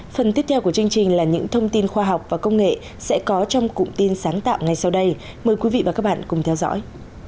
phần tiếp theo của chương trình là những thông tin khoa học và công nghệ sẽ có trong cụm tin sáng tạo ngay sau đây mời quý vị và các bạn cùng theo dõi